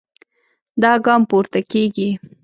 دا ګام پورته کېږي.